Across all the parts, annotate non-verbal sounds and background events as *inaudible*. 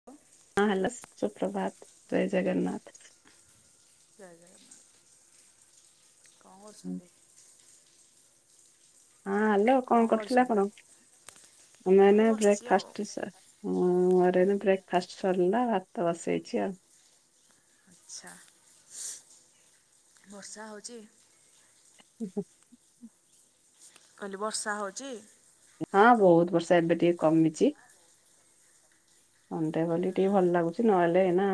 *unintelligible* ହଁ ହାଲୋ ସୁପ୍ରଭାତ ଜୟ ଜଗନ୍ନାଥ। ଜୟ ଜଗନ୍ନାଥ କଣ ହଁ କରୁଛନ୍ତି? ହଁ ହାଲୋ କଣ କରୁଥିଲେ ଆପଣ ଆମର ମୁଁ ଏଇ ଏଇନା ବସିଛି ଆଉ। ବ୍ରେକ୍ଫାଷ୍ଟ *unintelligible* ହଁ ମୋର ଏବେ ବ୍ରେକ୍ ଫାଷ୍ଟ୍ ସରିଲା ଭାତ ବସେଇଚି ଆଉ। ଆଚ୍ଛା ବର୍ଷା ହଉଚି? *unintelligible* କହିଲି ବର୍ଷା ହଉଚି? ହଁ ବହୁତ୍ ବର୍ଷା ଏବେ ଟିକେ କମିଚି। ଅଣ୍ଡା ବୋଲି ଟିକେ ଭଲ ଲାଗୁଛି ନହେଲେ ଏଇନା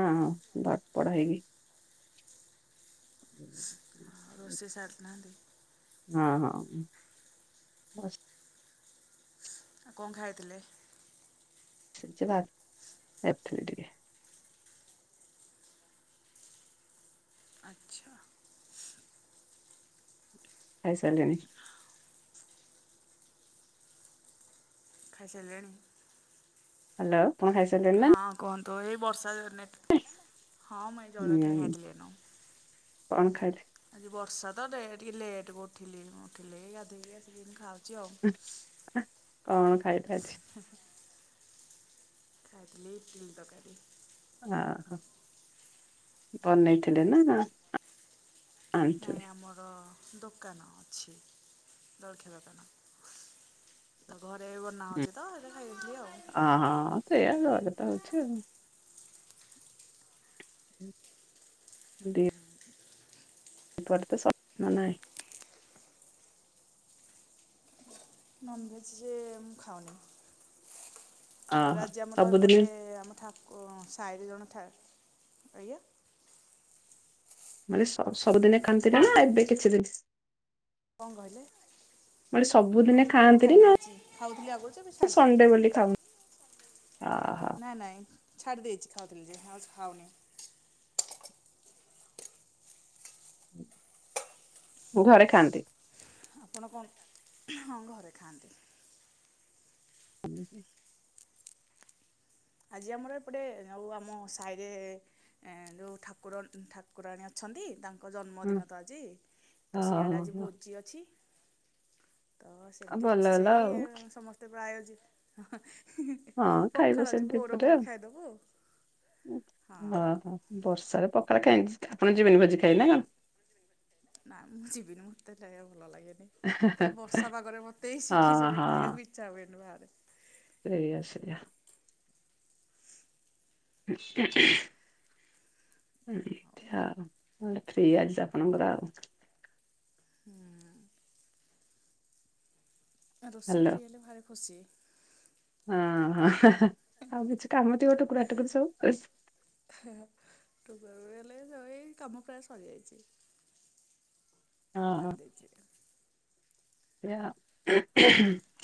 ଧର ପଡା ହେଇକି ରୋଷେଇ ସାରିନାହାଁନ୍ତି? ହଁ-ହଁ। ଆଉ କଣ ଖାଇଥିଲେ? ସେ ଭାତ ଏଥୁରୁ ଟିକେ। ଆଚ୍ଛା। ଖାଇ ସାରିଲେଣି? ଖାଇସାଇଲେଣି? ହାଲୋ କଣ ଖାଇ ସାରିଲେଣି ନା? ହଁ କୁହନ୍ତୁ ଏଇ ବର୍ଷା ଦିନେ ହଁ ମୁଁ ଏଇ ଜଳଖିଆ ହୁଁ ଖାଇଥିଲି ଏଇନୁ। କଣ ଖାଇ? ଆଜି ବର୍ଷା ତ ଡେ ଟିକେ ଲେଟ୍ କୁ ଉଠିଲି ମୁଁ ଉଠିଲି ଗାଧେଇକି ଆସିକିନ ଖାଉଛି ଆଉ। କଣ ଖାଇଲେ ଆଜି? ହୁଁ ହୁଁ। ଖାଲି ଇଟିଲି ତରକାରୀ। ଓହୋ ବନେଇଥିଲେ ନା ନା। ନାଇଁ ଆମର ଦୋକାନ ଅଛି ଜଳଖିଆ ଦୋକାନ। ତ ଘରେ ବନା ହଉଛି ତ ସେଇଥିପାଇଁ ଖାଇଦେଇଥିଲି ଆଉ। ଅ ହଁ ସେୟା ଘରେ ତ ହଉଛି ଆଉ। ହୁଁ। ଏପଟେ ତ ସପ୍ନ ନାହିଁ। ନନ୍‌ ଭେଜ୍ ଯେ ମୁଁ ଖାଉନି। ତାପରେ ଅହ ଆଜି ଆମର ଏ ସବୁଦିନି ପଟେ ଆମ ଠାକୁ ଶାଇରେ ଜଣେ ଠାକୁ ଆଜ୍ଞା। ମାନେ ସବ୍ ସବୁଦିନେ ଖାନ୍ତି ନା ଏବେ କିଛି ଦିନ୍? କଣ କହିଲେ? ମୁଁ କହିଲି ସବୁଦିନେ ଏବେ ଖାଆନ୍ତିନି ଛାଡ଼ି ନା ଦେଇଛି ଖାଉଥିଲି ଆଗରୁଯେ ଏବେ ଛାଡ଼ି ଦେଇଛି। ସଣ୍ଡେ ବୋଲି ଖାଉନି ଅହ ନାଇଁ ନାଇଁ ଛାଡ଼ି ଦେଇଛି ଖାଉଥିଲି ଯେ ହଁ ଆଉ ଖାଉନି। ମୋ ଘରେ ଖାଆନ୍ତି। ଆପଣ କଣ ହଁ ଘରେ ଖାଆନ୍ତି। *unintelligible* ଆଜି ଆମର ଏପଟେ ଆଉ ଆମ ସାହିରେ ଏ ଯୋଉ ଠାକୁର ଠାକୁରାଣୀ ଅଛନ୍ତି ତାଙ୍କ ହୁଁ ଜନ୍ମଦିନ ତ ଆଜି ତ ସିଆଡ଼େ ଆଜି ଓହୋ ଭୋଜି ଅଛି। ତ ଆଉ ସେମିତି ଭଲ ହେଲା ରୋଷେଇ ଆଉ ସମସ୍ତେ ପ୍ରାୟୋଜି ହଁ ଖାଇବ ସେମିତି ପରେ ଆଉ ଖାଇଦବୁ ହଁ। ବର୍ଷାରେ ପକାଳ ଆପଣ ଯିବେନି ଭୋଜି ଖାଇ ନା। ନାଁ ମୁଁ ଜୀବିନି ମୋତେ *unintelligible* ଭଲ ଲାଗେନି। ତ ଏ ବର୍ଷା ପାଗରେ ମତେ ହଁ ଶିଖିଛିବେ ହଁ ଖାଇବାକୁ ଇଚ୍ଛା ହୁଏନି ବାହାରେ। ସେଇଆ ସେଇଆ। *unintelligible* ହଁ ଆଉ ଦେଖିଆ ଆଉ ଫ୍ରୀ ଆଜି ଆପଣଙ୍କର ଆଉ। ହୁଁ। ରୋଷେଇ ହାଲୋ। ଫ୍ରୀ ହେଲେ ଭାରି ଖୁସି। ହଁ ଆଉ କିଛି କାମ ଥିବ ଟୁକୁରାଟୁକୁଡି ସବୁ। ହେଲେ ଏଇ କାମ ପ୍ରାୟ ସରିଯାଇଛି। ହଁ। ସାରିଦେଇଛି।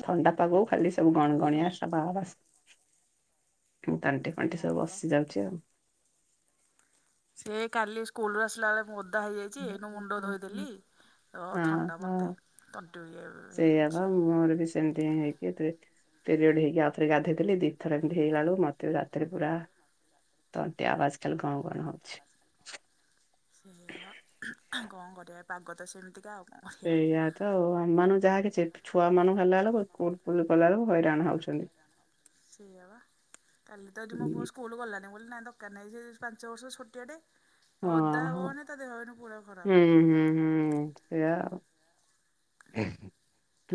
ଥଣ୍ଡା ପାଗ ଖାଲି ସବୁ ଖାଲି ଲୁ ଗଣଗଣିଆ ସାବା ଆବାଜ। ତାଣ୍ଟି ଫଣ୍ଟି ହଁ ସବୁ ବା ବସି ଯାଉଛି ଆଉ। ସେ କାଲି ସ୍କୁଲୁ ଆସିଲା ବେଳେ ମୁଁ ଓଦା ହେଇଯାଇଛି। ଏଇନୁ ମୁଣ୍ଡ ଧୋଇଦେଲି। ଓ ହଁ ଥଣ୍ଡା ମତେ ତଣ୍ଟି ସେଇୟା ପା ମୁଁ ମୋର କିଛି ସେମିତି ହେଇକି ପିରିୟଡ ହେଇକି ଆଉ ଥରେ ଗାଧେଇଥିଲି। ଦି ଥର ଏମିତି ହେଇଗଲା ବଳୁ ମତେ ରାତି ରେ ପୁରା ତଣ୍ଟି ଆବାଜ କାଲି ଗାଁ ଗଣଗଣ ହଉଛି। ସେଇଆ ବା କଣ କରିବା ପାଗ ତ ସେମିତିକା ଆଉ। କଣ କରିବା ସେଇଆ। ତ ଆମମାନାନଙ୍କୁ ଯାହା କିଛି ଛୁଆ ମାନଙ୍କୁ ହେଲା ବେଳକୁ ସ୍କୁଲ ଫୁଲ କଲା ବେଳକୁ ହଇରାଣ ହଉଛନ୍ତି। ସେୟାବା କାଲି ତ ଏଠି ମୋ ପୁଅ ହୁଁ। ସ୍କୁଲ ସ୍କୁୁଲ ଗଲାନି ବୋଲି ନହିଁ ଦରକାର ନାହିଁ। ସେ ପାଞ୍ଚ ବର୍ଷ ଛୋଟିଆ ଟେ ହଁ ଓଦା ହବ ହଁ ମାନେ ତା ଦେହ ଏଇନୁ ପୁରା ହୁଁ ଖରାପ। ହୁଁ ହୁଁ। ସେଆ ଆଉ।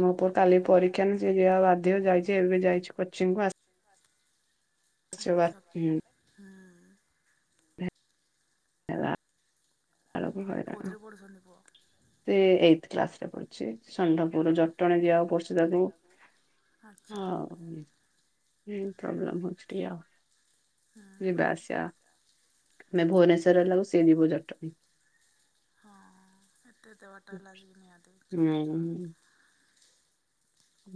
ମୋ ପୁଅ କାଲି ପରୀକ୍ଷା ନାଁ ଯାିବା ବାଧ୍ୟ ଯାଇଛି ଏବେ ଯାଇଛି କୋଚିଂ କୁ ଆସ ଆଚ୍ଛା ହୁଁ। ହେଲା କଉଥିରେ ପଢୁଛନ୍ତି ପୁଅ? ସେ ଏଇଥ କ୍ଲାସ ରେ ପଢୁଛି। ଷଣ୍ତପୁର ଜଟଣୀ ଯିବାକୁ ପଡୁଛି ତାକୁ। ଆଚ୍ଛା ହଉଁ ପ୍ରୋବ୍ଲେମ୍ ହଉଛି ଟିକେ ଆଉ। ହୁଁ ଯିବା ଆସିବା ଆମେ ଭୁବନେଶ୍ଵରରେ ରହିଲାଗୁ ସେ ଯିବ ଜଟଣୀ। ହଁ ଏତେଏତେ ବାଟ ହେବାବେଳକୁ ନିହାତି ଛୋଟ ଛୁଆ। ହୁଁ।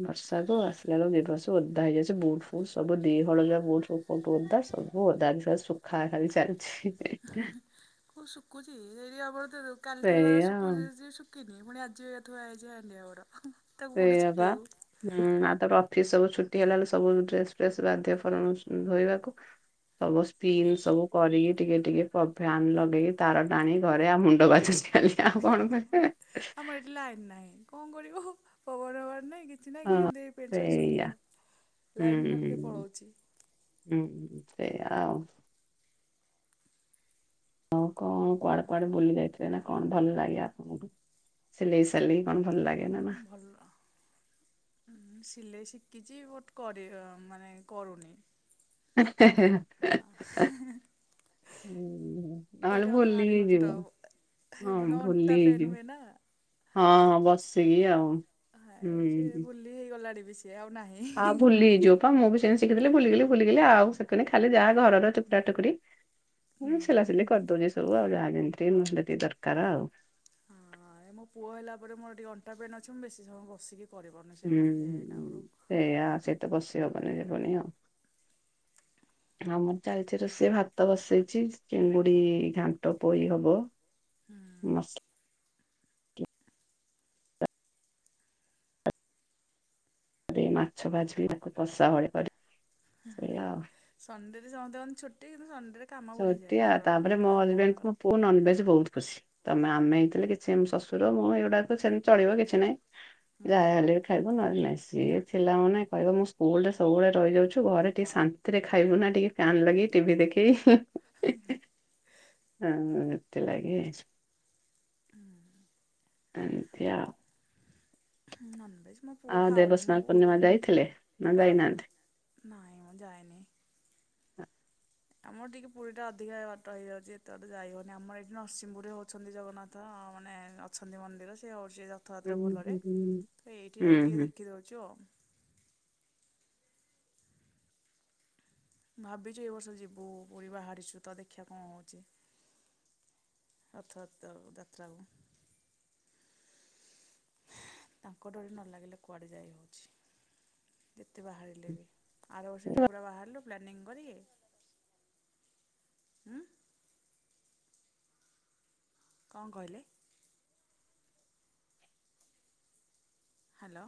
ବର୍ଷାକୁୁ ଆସିଲା ବେଳକୁ ଓଦା ହେଇଯାଇଛି ବୁଟ। ସବୁ ଦିହ *inaudible* ହୁଅନ୍ତା ସବୁ ଅଦା ଶୁଖା ଖାଲି ଚାଲିଛି। ସେଟା *inaudible* କ ଉଶୁଖୁଛି *inaudible* କାଲିଠୁ ସେଇଆ ଆଉ। ଶୁଖୁଛି *unintelligible* ସେଇୟା ପା। ଶୁକେଇବୁ ହୁଁ *inaudible* ତର ଅଫିସ ସବୁ ଛୁଟି ହେଲା ବଳେ ସବୁ ଡ୍ରେସ ଫ୍ରେସ ବାଧ୍ୟ ଧୋଇବାକୁ। ସବୁ ସ୍କ୍ରିନ ସେଇଆ। ସବୁ କରିକି ଟିକେ ଟିକେ ଫ୍ୟାନ ଲଗେଇି କି ତାର ଟାଣି ଘରେ ଆଉ ମୁଣ୍ଡ ବାଜୁଛି ଖାଲି। ଆଉ କଣ କହିବି। ଲାଇନ ନାହିଁ କଣ କରିବ ପବନ ହବାର ନାହିଁ କି। କିଛି ନାଇ ହଁ କେନ୍ତି ଏ ଏ ପ୍ୟାଣ୍ଟ ସାର୍ଟ ସେଇଆ ଶୁଖିବ ଲାଇନ୍ ହୁଁ ଭାଲିକେ ପଳଉଛି। ହୁଁ ସେଇଆ ଆଉ। ହଉ କଣ କୁଆଡେ କୁଆଡେ ଆଉ ବୁଲି ଯାଇଥିଲେ ନା କଣ ଭଲ ଲାଗେ ଆପଣଙ୍କୁ ସ। କାଲିକି କଣ ଭଲ ଲାଗେ ନା ନା। ଭଲ। ସିଲେଇ ଶିଖିଛି ବଟ୍ କରି ମାନେ କରୁନି। ଏହେ ହେ ହେ। ନହେଲେ ଏଇଟା ମୋତେ ଭୁଲି ଭାରି କଷ୍ଟ ହେଇଯିବ ହବ ହଁ ମାନେ ଅଣ୍ଟା ଭୁଲି ପେନ୍ ହେଇଯିବୁ। ହୁଏ ନା। ହଁ ହଁ ବସିକି ଆଉ। ହଁ ଯେ ସେ ହୁଁ। ଭୁଲି ହେଇଗଲାଣି ବି ସିଏ ଆଉ ନାହିଁ। ଆଉ ଭୁଲି ହେଇଯିବ ପା ମୁଁ ବି ସେୟା ଶିଖିଥିଲି ଭୁଲିଗଲି ଭୁଲିଗଲି ଆଉ ଶିଖିଲନି ଖାଲିା ଯାହା ଘରର ଟକୁରା ଟୋକରି। ହୁଁ ହଁ ସିଲାସିଲି କରିଦଉଚି ସବୁ ଆଉ ଯାହା ଯେମିତି ମ ଯେତିକି ଦରକାର ଆଉ। ଆ ମୋ ପୁଅ ହେଲା ପରେ ମୋର ଟିକି ଅଣ୍ଟା ପେନ୍ ଅଛି ମୁଁ ବେଶୀ ସମୟ ବିକି କରିପାରୁନି ସେଗୁଡ଼ା ସେଇଟା ଆଗରୁ। ସେଇୟା ସେତ ବସି ହବନି ଯିବନି ଆଉ। ଆମର ଚାଲିଚି ରଷେଇ ଭାତ ବସେଇଛି ଚିଙ୍ଗୁଡି ଘାଣ୍ଟ ପୋଇ ହବ। ହୁଁ। ମସ୍। ଆଉରି ମାଛ ଭାଜିବି ତାକୁ କଷା ଭଳି କରି। ସେଇଆ ଆଉ। ସଣ୍ଡେ ରେ ସମସ୍ତେ କଣ ଛୁଟି କିନ୍ତୁ ସଣ୍ଡେ ରେ କାମ। ସେମିତି ବଢ଼ିଯାଏ ଆଉ ଘର ଲୋକ ତାପରେ ମାନେ ମୋ ଆମ ହଜବେଣ୍ଡ ମାନଙ୍କର। କ ପୁଅ ନନଭେଜ ବହୁତ ଖୁସି। ତମେ ଆମେ ହେଇଥିଲେ କିଛି ଶ୍ୱଶୁର ମୁଁ ଏଇଗୁଡାକ ସେମିତି ଚଳିବ କିଛି ନାଇଁ ଯାହା ହଲେ ଖାଇବ ନହେଲେ ନାଇଁ ସିଏ ଥିଲା ମାନେ କହିବ ମୁଁ ସ୍କୁଲ ରେ ସବୁବେଳେ ରହିଯାଉଚୁ ଘରେ ଟିକେ ଶା ନ୍ତି ରେ ଖାଇବୁ ନା ଟିକେ ଫ୍ୟାନ୍ ଲଗେଇକି ଟିଭି ଦେଖିକି। *inaudible* ହଁ ସେଥି ଲାଗି ହଁ। ଏମ୍ ତି ଆଉ। ନନ୍ ଭେଜ ମୋ ପୁଅ ଆଉ ଖାଉନି ମୋ ଦେବସ୍ନାନ ପୂର୍ଣ୍ଣିମା ଯାଇଥିଲେ ପୁଅ ନା ଆଜ୍ଞା। ଯାଇନାହାନ୍ତି? ନାଇଁ ମୁଁ ଯାଇନି। ଆମର ଟିକେ ପୁଲ ଟା ଅଧିକା ବାଟ ହେଇଯାଉଛି ଏତେ ବାଟେ ଯାଇ ହଉନି ଆମର ଏଠି ନରସିଂହପୁରରେ ହଉଛନ୍ତି ଜଗନ୍ନାଥ। ତ ମାନେ ଅଛନ୍ତି ମନ୍ଦିର ସେ ହଉଛି ର ହୁଁ ରଥଯାତ୍ରା ଭଲରେ ହୁଁ ତ ଏଇଠି ହୁଁ ଯାଇକି ଟିକେ ହୁଁ। ଦେଖିଦେଉଛୁ ଆଉ। ଭାବିଛୁ ଏ ବର୍ଷ ଯିବୁ ପୁରୀ ବାହାରିଛୁ ତ ଦେଖିଆ କଣ ହଉଛି। ରଥତ୍ରାକୁ ଯାତ୍ରାକୁ। ତାଙ୍କ ଡରି ନ ଲାଗିଲେ କୁଆଡେ ଯାଇ ହଉଛି। ଯେତେ ବାହାରିଲେ ବି। ଆର ବର୍ଷ ଏଠୁ ପୁରା ବାହାରିଲୁ ପ୍ଲାନିଂ କରିକି ଉଁ କଣ କହିଲେ? ହ୍ୟାଲୋ।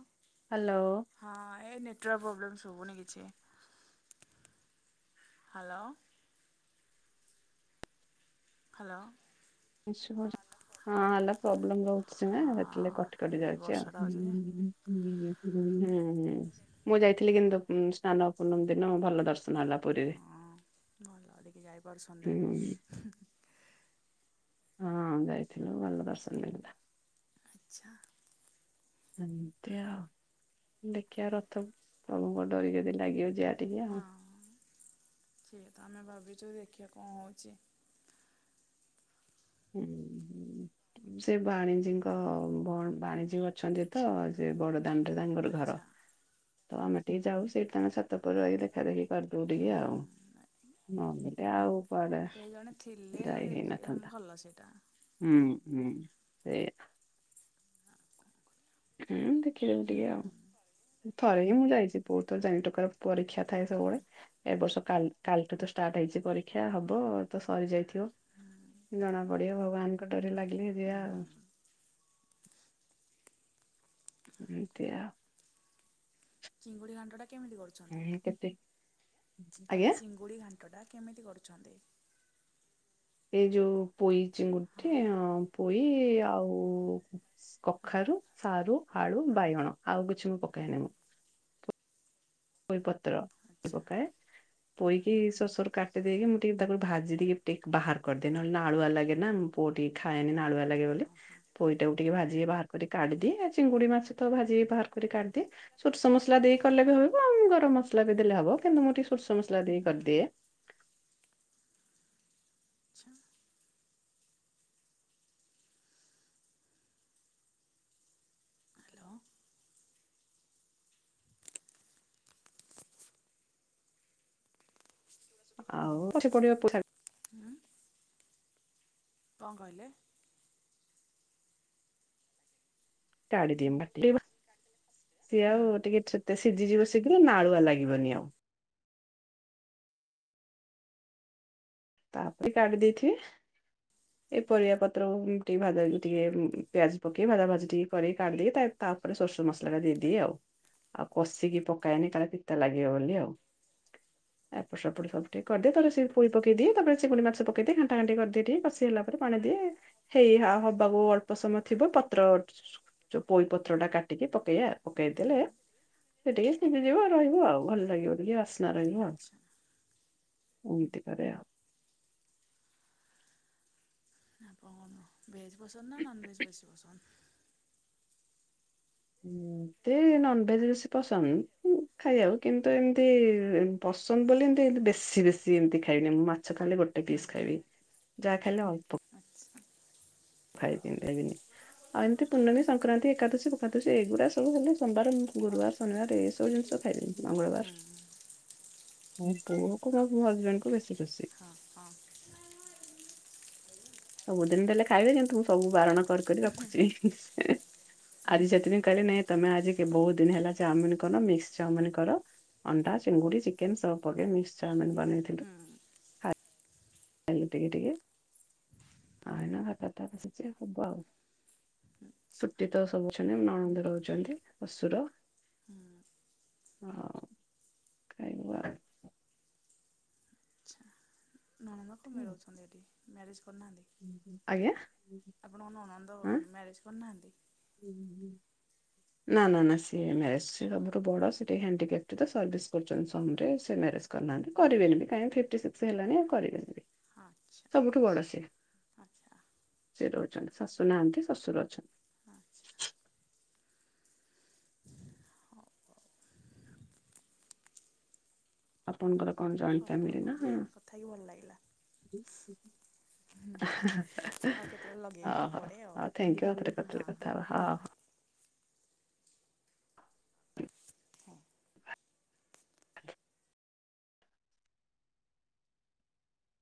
ହ୍ୟାଲୋ। ହଁ ଏ ନେଟୱାର୍କ ପ୍ରୋବ୍ଲେମ୍ ଶୁଭୁନି କିଛି ହ୍ୟାଲୋ। ହ୍ୟାଲୋ। ବିଶୁ ଭାଉଜ ହଁ ହାଲୋ ପ୍ରୋବ୍ଲେମ ରହୁଛି ହଁ ସେଥିଲେ କଟି କଟି ଏଇ ଯାଉଛି ଆଉ। ବର୍ଷାଟା ହେଉଛି ଯେ ହୁଁ ହୁଁ ମୁଁ ଯାଇଥିଲି କିନ୍ତୁ ସ୍ନାନ ପୂର୍ଣମି ଦିନ ଭଲ ଦର୍ଶ ଭଲ ପୁରୀ ହଁ ଭଲ ଲିକି ଯାଇପାରୁଛନ୍ତି। ହୁଁ ହଁ ଯାଇଥିଲୁ ଭଲ ଦର୍ଶନ ମିଲା। ଆଚ୍ଛା। ଅତେଅ ଆଉ ଦେଖିଆ ରଥ ପ୍ରଭୁଙ୍କ ଡରି ଯଦି ଲାଗିଅ ଜିଆ। ହଁ ସେ କଥା ଆମେ ଭାବିଛୁ ଦେଖିବା କ ହେଉଚି। ହୁଁ ହୁଁ। ସେ ବାଣିଜୀଙ୍କ ଭଉ ବାଣିଜୀ ଅଛନ୍ତି ତ ସେ ବଡ ଦାଣ୍ଡରେ ତାଙ୍କର ଘର ଆଚ୍ଛା ତ ଆମେ ଟିକେ ଯାଉ ସେଇଠି ତାଙ୍କ ଛାତଉପରେ ରଇ ଦେ ଫେରେଇକି କରିଦେଉ ଟିକିଏ ଆଉ ହୁଁ ନହଲେ ଆଉ କୁଆଡେ? କେହି ଜଣେ ଥିଲେ ଦେଖିବ ଭଲ ସେଇଟା। ଉଁ ଉଁ ସେଆ। ହୁଁ ଦେଖିବାକୁ ହୁଁ ଟିକିଏ ଆଉ ଥରେ ହିଁ ମୁଁ ଯାଇଛି ବୋତ୍ ଥର ଯାଇନି ଟୋକାର ପରୀକ୍ଷା ହୁଁ ଥାଏ ସବୁବେଳେ। ଏ ବର୍ଷା କାଲ୍ କାଲିଠୁ ତ ଷ୍ଟାର୍ଟ ହେଇଛି ପରୀକ୍ଷା ହବ ତ ସରିଯାଇଥିଅ। ଜଣା ପଡିଅ ଭଗବାନଙ୍କ ଡରି ଲାଗିଲେ ଯିଆ ହୁଁ ଆଉ। ଇନ୍ତୀଆ। ଚିଙ୍ଗୁଡି ଘାଣ୍ଟ ଟା କେମିତି କରୁ ହୁଁ କେତେ ମୁଁ ଆଜ୍ଞା କଲି ଚିଙ୍ଗୁଡ଼ି ଘାଣ୍ଟଟା କେମିତି କରୁଛନ୍ତି? ଏଇ ଯୋଉ ପୋଇ ହଁ ଚିଙ୍ଗୁଡିି ଆଉ ପୋଇ ଆଉ କଖାରୁ ସାରୁ ଆଳୁ ବାଇଗଣ ଆଉ କିଛି ମୁଁ ହୁଁ ପକେଏନି ମୁଁ। ବୋଇ ପତ୍ର ଆଚ୍ଛା ପକାଏ ହୁଁ ପୋଇକି ଶସରୁ କା କାଟିଦେଇକି ମୁଁ ଟିକିଏଳତାକୁ ଭାଜି ଦେଇି ଟିକିଏ ବାହାର କରିଦେହେଲେ ଆଳଆ ଲାଗେ ନା ପୁଅ ଟିକିଏ ଖାଏନି ଆଳୁଆ ଲାଗେ। ହଁ ହଁ ପୋଇଟାକୁ ଟିକିଏ ଭାଜି ବାହାର କରି କାଢିଦି ଚିଙ୍ଗୁଡି ମାଛ ତ ଭାଜିକି ବାହାର କରି କାଢିଦିଏ। ସୋରିସ ମସଲା ଦେଇ କଲେ ବି ହଵ। ଗରମ ମସଲା ବି ହୁଁ ଦେଲେ ହବ କିନ୍ତୁ ମୁଁ ଟିକିଏସୋରିସମସଲା ଦେଇ ହୁଁ କରିଦିଏ। ଆଚ୍ଛା ହ୍ୟାଲୋ। ଆଉ *unintelligible* ହୁଁ। କଣ୍ କହିଲେ? କାଢିଦିଏ ମୁଁ *unintelligible* ସେ ହୁଁ ଆଉ ଟିକେ ଚୁ ତ ସିଝିଯିବ ଶୀଘ୍ର ନାଳୁଆ ଲାଗିବନି ଆଉ। ତାପରେ କାଢ଼ିଦେଇଥିବେ। ଏଇ ପରିବା ପତ୍ର ଟିକିଏ ଭା ଟିକିଏ ପିଆଜ ପକେଇ ଭାଜି ଭାଜି ଟିକିଏ କରିକି କାଢିଦେଇି ତା ତାପରେ ସୋରିଷମସଲା ଟା ଦେଇଦିଏ ଆଉ। ଆଉ କଷିକି ପକେଇନି କାଳେ ପିତା ଲାଗିବ ବୋଲି ଆଉ। ଏପଟ ସେପଟ ସବୁ ଟିକେ କରିଦିଏ ତାହେ ସେ ପୋଇ ପକେଇ ଦିଏ ତାପରେ ଚିଗିଡି ମାଛ ପକେଇ ଦେଇି ଘଣ୍ଟାଣ୍ଟି କରିଦେଇି କଷିିହେଲା ପରେ ପାଣି ଦିଏ। ହେହେଇ ହବାକୁ ଅଳ୍ପ ସମୟ ଥିବ ପତ୍ର ଯୋଉ ପୋଇ ପତ୍ର ଟା କାଟିକି ପକେୟା ପକେଇଦେଲେ ସେ ଟିକିଏ ସିଯି ଯିବ ରହିବ ଆଉ ଭଲ ଲାଗିବ ଟିକିଏ ଆସ *unintelligible* ରହିବ ଆଚ୍ଛା ଏମିତି କରେ ଆଉ। *unintelligible* ଭେଜ ପସନ୍ଦ ନା ନନଭେଜ ବେଶି ପସନ୍ଦ? ଏମିତି ନନଭେଜ ବେଶୀ ପସନ୍ଦ। ଖାଇ ଆକୁ କିନ୍ତୁ ଏମିତି ପସନ୍ଦ ବୋଲି ଏମିତି ଏତି ବେଶୀ ବେଶୀ ଏମିତି ଖାଇନ ମୁଁ ମାଛ ଖାଲି ଗୋଟିଏ ଗୋଟେ ହୁଁ ପିସ୍ ହୁଁ ଖାଇବି ଯାହା ଖାଇଲେ ଅଳ୍ପ ଆଚ୍ଛା ଭାଇ ପିନ୍ଇବିନି। ଆଉ ଏମିତି ପୂର୍ଣମୀ ସଂକ୍ରାନ୍ତି ଏକାଦଶୀ ଫେଖାଦଶୀ ଏଇଗୁଢା ସବୁ ହେଲେ ସୋମବାର ଗୁରୁବାର କଣଟେ ଶନିବାର ଏ ସବୁ ଜିନିଷ ଖାଇଛନ୍ତି ମଙ୍ଗଳବାର। ହୁଁ ମୋ ପୁଅ କୁ ମୋ ହଯବେଣ୍ଟ ବେଶୀ ଖୁସି। ହଁ ହଁ *unintelligible* ସବୁଦିନି ତାଦେଲେ ଖାଇବେ କିନ୍ତୁ ମୁଁ ସବୁ ବାରଣ କରି କରି ରଖୁଛି। ଆଜି ସେଥିପାଇଁ କହିଲେ ନାଇଁ ତମେ ଆଜି ବହୁତ ଦିନ ହେଲା ଚାଉମିନ କରିନ ମିକ୍ସ ଚାଉମିନ କର। ଅଣ୍ଡା ଚିଙ୍ଗୁଡି ଚିକେନ ସବୁ ପକେଇକି ମିକ୍ସ ଚାଉମିନ୍ ବନେଇଥିଲୁ। ହୁଁ ଖାଇଲୁ ଟିକେ ଟିକେ ଭାତ ତ ବସିଛି ହବ ଆଉ ଶୁଚି ତ ସବୁ ଅଛନ୍ତି ନଣନ୍ଦ ରହୁଛନ୍ତି ଶଶୁର ହଁ। ହୋଉ *unintelligible* ମନକୁ ଏମିତି ମିଳଉଛନ୍ତି ଏଠି ମ୍ୟାରେଜ୍ କରିନାହାନ୍ତି? ଆଉ। ଆଜ୍ଞା? ଆପଣ ନଣନ୍ଦ ମ୍ୟାରେଜ କରିନାହାନ୍ତି? ହୁଁ ହୁଁ। ନା ନା ନା ସିଏ ମ୍ୟାରେଜ ସବୁଠୁ ବଡ ସେଟିକେ ହେଣ୍ଡିକେପ୍ଟ ତ ସର୍ଭିସ କରୁଛନ୍ତି ସମ ରେ ସେ ମ୍ୟାରେଜ କରିନାହାନ୍ତି କରିବେନି ବି କାଇଁନା ଫିଫ୍ଟି ସିକ୍ସ୍ ହେଲାଣି କରିବେନି। ହଁ ଆଚ୍ଛା ସବୁଠୁ ବଡ ସିଏ- ଆଚ୍ଛା ସିଏ ରହୁଚନ୍ତି ଶାଶୁ ନାହାନ୍ତି ଶଶୁର ଅଛନ୍ତି। ଆଚ୍ଛା ହଉ ଆପଣଙ୍କର କଣ ଜଏଣ୍ଟ୍ ଫ୍ୟାମିଲି? ରଖୁଚି କଥା ହେଇକି ଭଲ ଲାଗିଲା। ହୁଁ ହୁଁ। ଆଉ କେତେବେଳେ ଓ ଲଗେଇବି ଆଉ ହୋ ପରେ ଆଉ ହଉ ଥ୍ୟାଙ୍କ୍ ୟୁ ଆଉ ଥରେ କେତେବେଳେ ହଁ ହଁ କଥା ହବା ହଁ। ହଁ।